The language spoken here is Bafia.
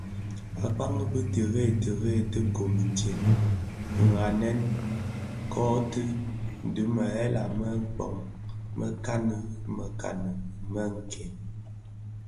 Akpaň bi tirèè tirèè ti gom itsem, ndhanen kōti dhi mëghèla më mpōn, mekanikani “mě nken”.